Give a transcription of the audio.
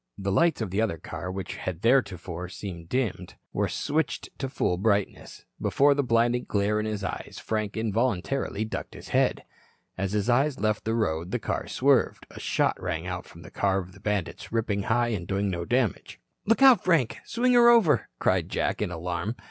The lights of the other car which had theretofore seemed dimmed were switched to full brightness. Before the blinding glare in his eyes, Frank involuntarily ducked his head. As his eyes left the road, the car swerved. A shot rang out from the car of the bandits, ripping high and doing no damage. "Look out, Frank. Swing her over," cried Jack in alarm.